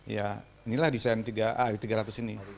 inilah desain ai tiga ratus ini